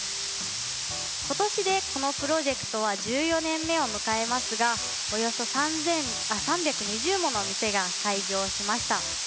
今年でこのプロジェクトは１４年目を迎えますがおよそ３２０もの店が開業しました。